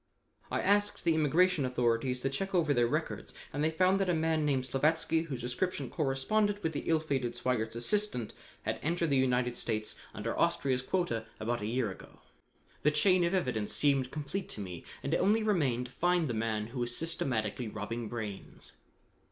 I asked the immigration authorities to check over their records and they found that a man named Slavatsky whose description corresponded with the ill fated Sweigert's assistant had entered the United States under Austria's quota about a year ago. The chain of evidence seemed complete to me, and it only remained to find the man who was systematically robbing brains.